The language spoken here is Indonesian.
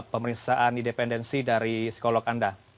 pemeriksaan independensi dari psikolog anda